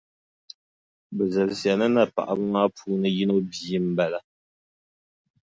Bɛ zilisiya ni napaɣiba maa puuni yino bia m-bala.